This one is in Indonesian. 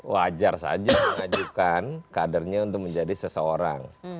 wajar saja mengajukan kadernya untuk menjadi seseorang